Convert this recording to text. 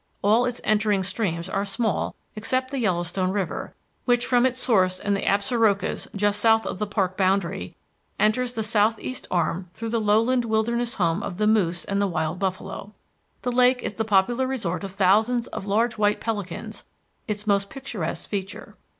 All its entering streams are small except the Yellowstone River, which, from its source in the Absarokas just south of the park boundary, enters the Southeast Arm through the lowland wilderness home of the moose and the wild buffalo. The lake is the popular resort of thousands of large white pelicans, its most picturesque feature.